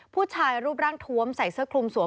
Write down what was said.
ผู้ชายรูปร่างทวมใส่เสื้อคลุมสวม